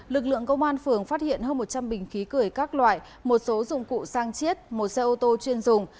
lực lượng công an phường phát hiện hơn một trăm linh bình khí cười các loại một số dụng cụ sang chiết một xe ô tô chuyên dùng